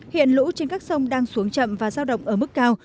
hiện lũ trên các sông đang xuống chậm và giao động ở mức cao